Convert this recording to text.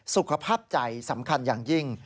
สุขภาพใจสำคัญอย่างยิ่ง